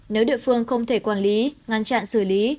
nếu địa phương không thể quản lý ngăn chặn xử lý